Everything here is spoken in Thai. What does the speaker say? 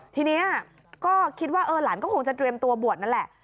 ทีนี้ก็คิดว่าหลานก็คงจะเตรียมตัวบวชนั่นแหละ